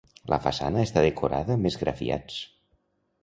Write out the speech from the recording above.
La façana està decorada amb esgrafiats.